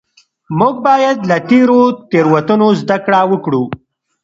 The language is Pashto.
موږ باید له تیرو تېروتنو زده کړه وکړو.